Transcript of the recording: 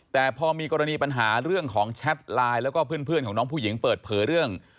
แต่พอมีกรณีปัญหาเรื่องของแชทไลน์แล้วก็เพื่อนของน้องผู้หญิงเปิดเผยเรื่อง